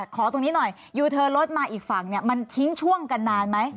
ขอตรงนี้หน่อยยูเทิร์นรถมาอีกฝั่งมันทิ้งช่วงกันนานไหม